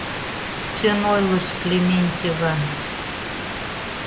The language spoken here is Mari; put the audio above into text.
Чын ойлыш Клементьева.